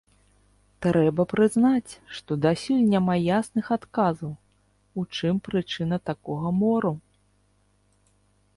Трэба прызнаць, што дасюль няма ясных адказаў, у чым прычына такога мору.